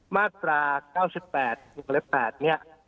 มาตรา๙๘วงเล็บ๘เนี่ย